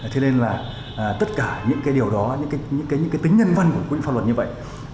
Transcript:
thế nên là tất cả những cái điều đó những cái tính nhân văn của quy định pháp luật như vậy